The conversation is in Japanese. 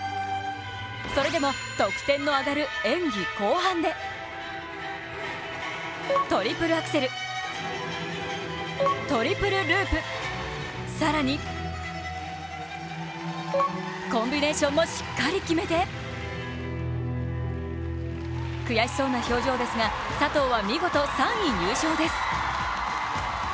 それでも得点の上がる演技後半でトリプルアクセル、トリプルループ、更に、コンビネーションもしっかり決めて悔しそうな表情ですが佐藤は見事３位入賞です。